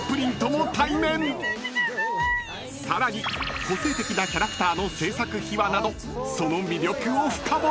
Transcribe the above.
［さらに個性的なキャラクターの制作秘話などその魅力を深掘り！］